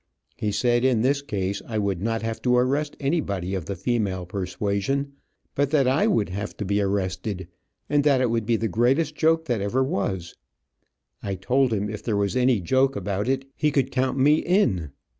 He said in this case I would not have to arrest anybody of the female persuasion, but that I would have to be arrested, and that it would be the greatest joke that ever was. I told him if there was any joke about it he could count me in.